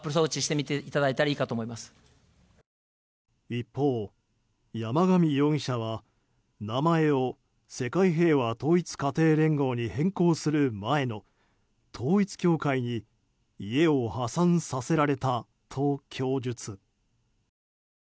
一方、山上容疑者は名前を世界平和統一家庭連合に変更する前の、統一教会に家を破産させられたと供述。